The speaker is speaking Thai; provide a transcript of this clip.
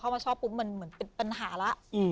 พอเขามาชอบมันเป็นปัญหาละ